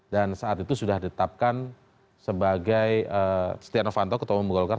dan saat itu sudah ditetapkan sebagai stianovanto ketemu golkar